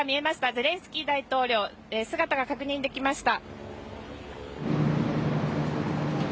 ゼレンスキー大統領姿が確認できました。